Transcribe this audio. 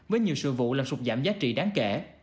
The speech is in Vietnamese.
với nhiều sự vụ làm sụt giảm giá trị đáng kể